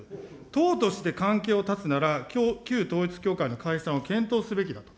党として関係を断つなら、旧統一教会の解散を検討すべきだと。